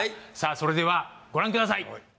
それではご覧ください